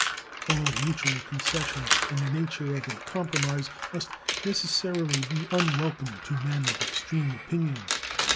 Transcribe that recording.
All mutual concession in the nature of a compromise must necessarily be unwelcome to men of extreme opinions.